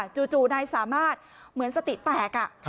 จู่นายสามารถเหมือนสติแตก